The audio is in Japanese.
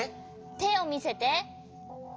てをみせて。